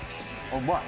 うまい。